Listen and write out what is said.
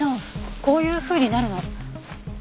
こういうふうになるの。